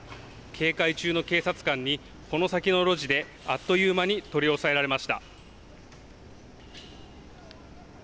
警戒中の警察官にこの先の路地であっという間に取り押さえられました。